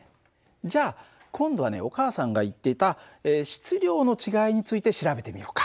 じゃあ今度はねお母さんが言っていた質量の違いについて調べてみようか。